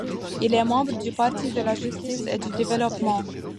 Il est membre du Parti de la justice et du développement.